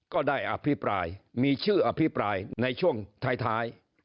อภิปรายมีชื่ออภิปรายในช่วงท้าย